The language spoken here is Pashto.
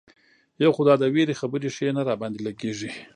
یو خو دا د وېرې خبرې ښې نه را باندې لګېږي.